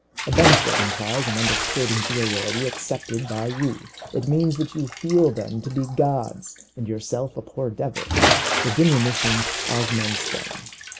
A benefit implies an understood inferiority accepted by you. It means that you feel them to be gods and yourself a poor devil. Your diminution augments them.